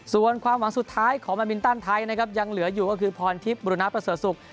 ส่วนความหวังสุดท้ายของมามินตันไทยนะครับยังเหลืออยู่ก็คือพรทิพย์บุรณประเสริฐศุกร์